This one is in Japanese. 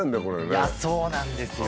いやそうなんですよ。